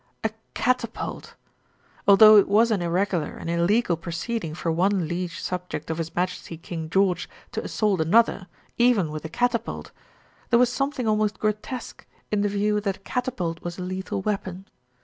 A catapult ! Although it was an irregular and illegal proceeding for one liege subject of His Majesty King George to assault another, even with a catapult, there was some thing almost grotesque in the view that a catapult was a lethal weapon.